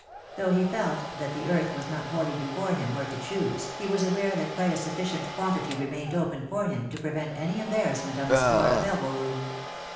Though he felt that the earth was not wholly before him where to choose, he was aware that quite a sufficient quantity remained open for him to prevent any embarrassment on the score of elbow room.